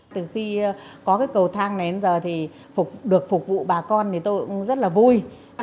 từ khi có cái cầu thang này đến giờ thì phục được phục vụ bà con thì tôi cũng rất là vui